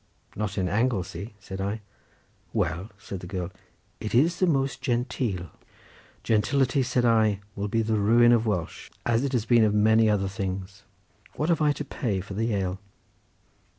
"Not in Anglesey," said I. "Well," said the girl, "it is the most genteel." "Gentility," said I, "will be the ruin of Welsh, as it has been of many other things—what have I to pay for the ale?"